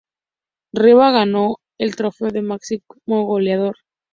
Riva ganó el trofeo de máximo goleador.